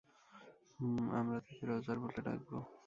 হুমমম আমরা তাকে রজার বলে ডাকবো?